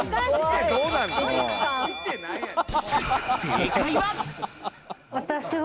正解は。